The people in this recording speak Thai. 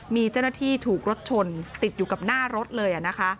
มีเจ้าหน้าที่ถูกรถชนติดอยู่กับหน้ารถเลย